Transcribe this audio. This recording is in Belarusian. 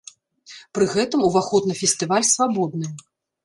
Пры гэтым ўваход на фестываль свабодны.